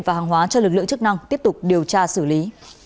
và hàng hóa cho lực lượng chức năng tiếp tục điều tra xử lý